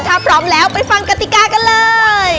ถ้าพร้อมแล้วไปฟังกติกากันเลย